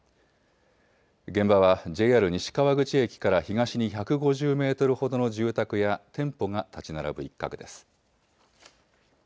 現場はＪＲ西川口駅から東に１５０メートルほどの住宅や店舗が建ち並ぶ一角です。